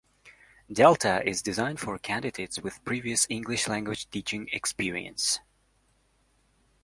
Delta is designed for candidates with previous English language teaching experience.